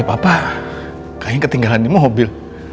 hape papa kayaknya ketinggalan imu mobil